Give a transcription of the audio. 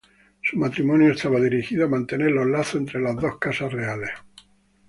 Su matrimonio estaba dirigido a mantener los lazos entre las dos casas reales.